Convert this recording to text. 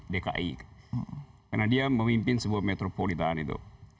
pemimpin dki karena dia memimpin sebuah metropolitan itu